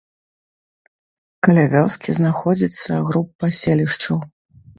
Каля вёскі знаходзіцца группа селішчаў.